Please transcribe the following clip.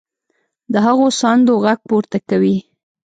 د هغو ساندو غږ پورته کوي.